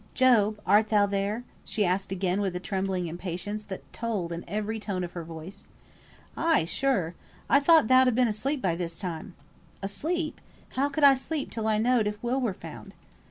"Job! art thou there?" asked she again with a trembling impatience that told in every tone of her voice. "Ay! sure! I thought thou'd ha' been asleep by this time." "Asleep! How could I sleep till I knowed if Will were found?"